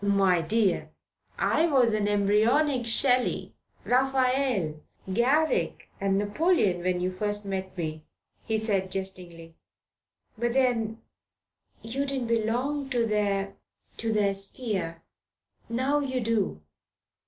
"My dear, I was an embryonic Shelley, Raphael, Garrick, and Napoleon when you first met me," he said jestingly. "But then you didn't belong to their to their sphere. Now you do.